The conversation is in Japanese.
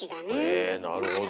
へえなるほど。